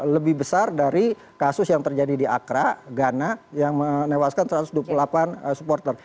lebih besar dari kasus yang terjadi di akra ghana yang menewaskan satu ratus dua puluh delapan supporter